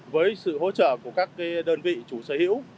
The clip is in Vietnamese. với sự hỗ trợ của các đơn vị chủ sở hữu